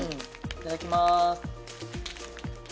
いただきます